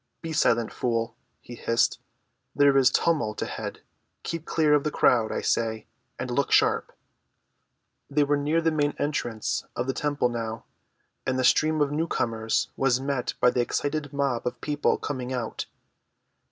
"Be silent, fool," he hissed. "There is tumult ahead. Keep clear of the crowd, I say, and look sharp!" They were near the main entrance of the temple now, and the stream of newcomers was met by an excited mob of people coming out.